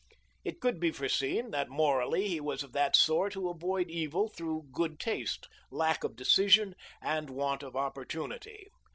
It could be foreseen that morally he was of that sort who avoid evil through good taste, lack of decision, and want of opportunity.